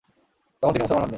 তখন তিনি মুসলমান হননি।